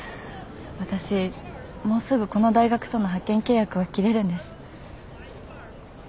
私もうすぐこの大学との派遣契約は切れるんです。